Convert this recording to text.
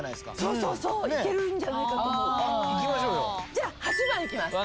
じゃあ８番いきます。